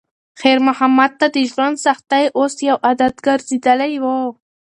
خیر محمد ته د ژوند سختۍ اوس یو عادت ګرځېدلی و.